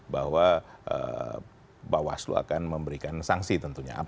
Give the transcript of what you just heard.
bahwa bawaslu akan memberikan sanksi tentunya